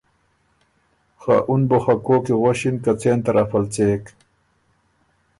خه اُن بُو خه کوک کی غؤݭِن که څېن طرف ال څېک۔